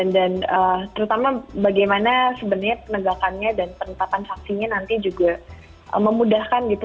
dan terutama bagaimana sebenarnya penegakannya dan penetapan saksinya nanti juga memudahkan gitu